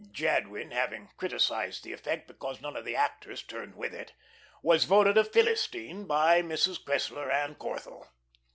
Jadwin having criticised the effect because none of the actors turned with it, was voted a Philistine by Mrs. Cressler and Corthell.